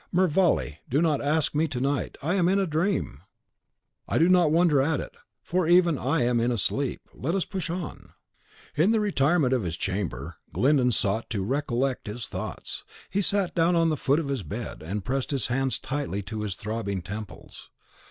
"Mervale, do not ask me to night! I am in a dream." "I do not wonder at it, for even I am in a sleep. Let us push on." In the retirement of his chamber, Glyndon sought to recollect his thoughts. He sat down on the foot of his bed, and pressed his hands tightly to his throbbing temples.